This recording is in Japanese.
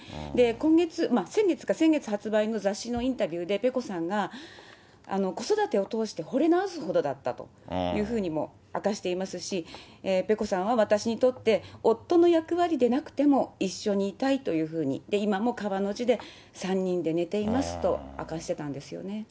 今月、先月か、先月発売の雑誌のインタビューで、ペコさんが、子育てを通してほれ直すほどだったというふうにも明かしていますし、ペコさんは私にとって夫の役割でなくても、一緒にいたいというふうに、今も川の字で３人で寝ていますと明かしてたんですよね。